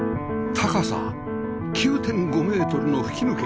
高さ ９．５ メートルの吹き抜け